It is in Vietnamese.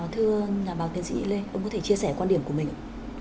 thưa nhà báo kiến sĩ lê ông có thể chia sẻ quan điểm của mình ạ